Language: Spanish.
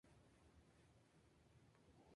Se encuentra en la cuenca mediterránea.